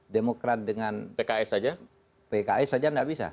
demokrat dengan pks saja tidak bisa